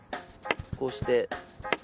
こうして。